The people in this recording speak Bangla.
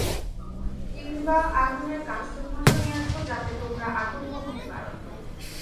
কিংবা আগুনের কাষ্ঠখণ্ড নিয়ে আসবো যাতে তোমরা আগুন পোহাতে পার।